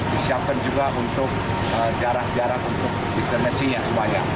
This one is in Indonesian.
disiapkan juga untuk jarak jarak untuk distansinya semuanya